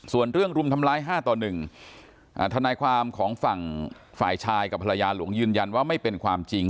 ส่วนเรื่องรุมทำร้าย๕ต่อ๑ทนายความของฝั่งฝ่ายชายกับภรรยาหลวงยืนยันว่าไม่เป็นความจริง